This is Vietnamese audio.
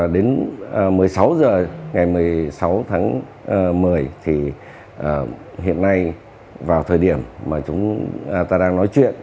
đến một mươi sáu h ngày một mươi sáu tháng một mươi thì hiện nay vào thời điểm mà chúng ta đang nói chuyện